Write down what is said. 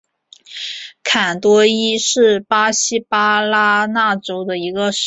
坎多伊是巴西巴拉那州的一个市镇。